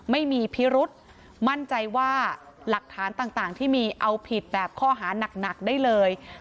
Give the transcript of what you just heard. ไม่มีพิรุษมั่นใจว่าหลักฐานต่างที่มีเอาผิดแบบข้อหานักได้เลย